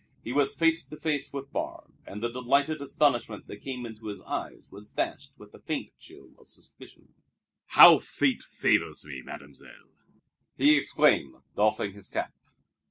He was face to face with Barbe; and the delighted astonishment that came into his eyes was dashed with a faint chill of suspicion. "How fate favors me, Mademoiselle!" he exclaimed, doffing his cap.